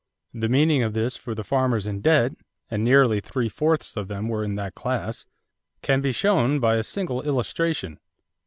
The meaning of this for the farmers in debt and nearly three fourths of them were in that class can be shown by a single illustration.